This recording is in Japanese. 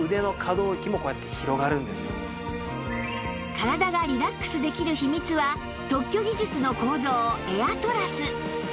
体がリラックスできる秘密は特許技術の構造エアトラス